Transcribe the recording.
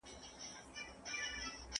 ښه ژباړه هغه ده چې ژباړه نه ښکاري.